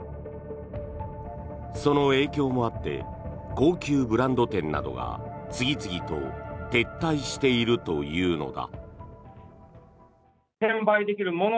その影響もあって高級ブランド店などが次々と撤退しているというのだ。